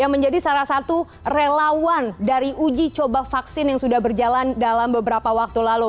yang menjadi salah satu relawan dari uji coba vaksin yang sudah berjalan dalam beberapa waktu lalu